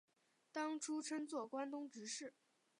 当初称作关东执事。